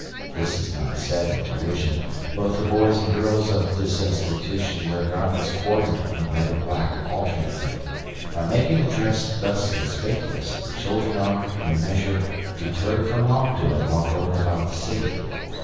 *{This is not said in derision. Both the boys and girls of this institution wear garments quartered in red and black, alternately. By making the dress thus conspicuous, the children are, in a measure, deterred from wrongdoing while going about the city.